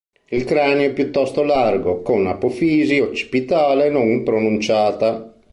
Il cranio è piuttosto largo, con apofisi occipitale non pronunciata.